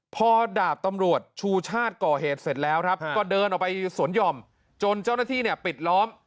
พอดาบตำรวจชูชาติก่อเหตุเสร็จแล้วครับก็เดินออกไปสวนหย่อมจนเจ้าหน้าที่เนี่ยปิดล้อม